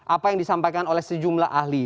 apa yang disampaikan oleh sejumlah ahli